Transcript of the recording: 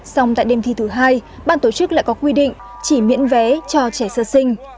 xong tại đêm thi thứ hai ban tổ chức lại có quy định chỉ miễn vé cho trẻ sơ sinh